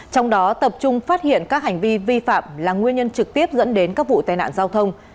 trong đó tập trung phát hiện các hành vi vi phạm là nguyên nhân trực tiếp dẫn đến các vụ tai nạn giao thông